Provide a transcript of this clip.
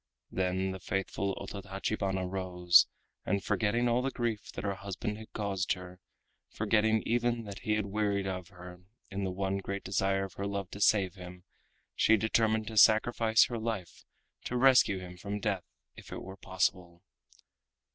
Then the faithful Ototachibana rose, and forgetting all the grief that her husband had caused her, forgetting even that he had wearied of her, in the one great desire of her love to save him, she determined to sacrifice her life to rescue him from death if it were possible.